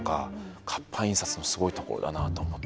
活版印刷のすごいところだなと思ってます。